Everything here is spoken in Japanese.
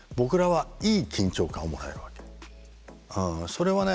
それはね